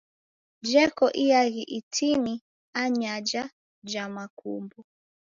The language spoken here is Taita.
Jeko iaghi itini anyaja ja makumbo.